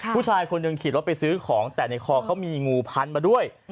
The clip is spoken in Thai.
ผู้ชายคนหนึ่งขี่รถไปซื้อของแต่ในคอเขามีงูพันมาด้วย